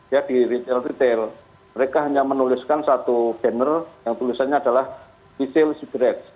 ya di retail retail mereka hanya menuliskan satu genre yang tulisannya adalah diesel cigarette